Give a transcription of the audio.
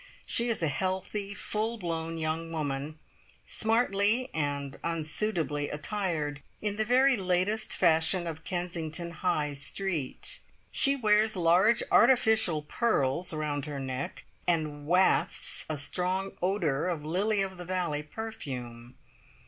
She is a healthy, full blown young woman, smartly and unsuitably attired in the very latest fashion of Kensington High Street. She wears large artificial pearls round her neck, and wafts a strong odour of lily of the valley perfume.